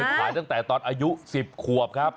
ขายตั้งแต่ตอนอายุ๑๐ขวบครับ